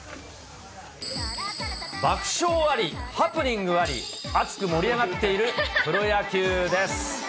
爆笑あり、ハプニングあり、熱く盛り上がっているプロ野球です。